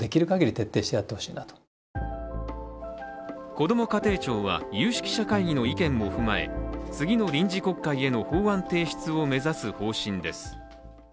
こども家庭庁は有識者会議の意見も踏まえ次の臨時国会への法案提出を目指す方針です。